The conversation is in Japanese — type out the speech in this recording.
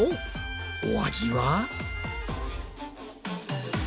お味は？